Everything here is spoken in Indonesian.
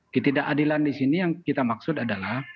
ketidakadilan di sini yang kita maksud adalah